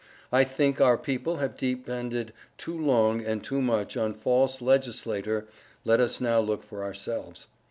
I think our people have depened too long and too much on false legislator let us now look for ourselves.